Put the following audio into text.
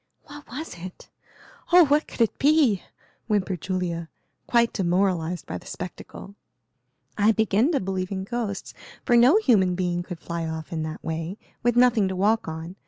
"What was it? Oh, what could it be?" whimpered Julia, quite demoralized by the spectacle. "I begin to believe in ghosts, for no human being could fly off in that way, with nothing to walk on.